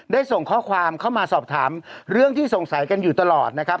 ส่งข้อความเข้ามาสอบถามเรื่องที่สงสัยกันอยู่ตลอดนะครับ